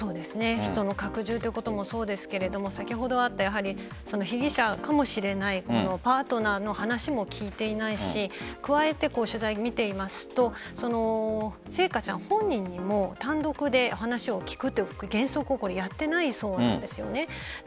人の拡充もそうですけれど先ほどあった被疑者かもしれないパートナーの話も聞いていないし加えて、取材見ていますと星華ちゃん本人にも単独で話を聞くという原則をやっていないそうなんですよね。